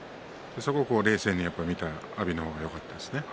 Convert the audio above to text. そこを冷静に見た阿炎がよかったですね。